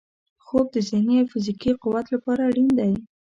خوب د ذهني او فزیکي قوت لپاره اړین دی